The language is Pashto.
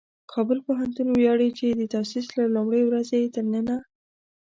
کابل پوهنتون ویاړي چې د تاسیس له لومړۍ ورځې یې تر ننه